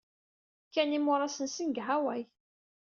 Kkan imuras-nsen deg Hawaii.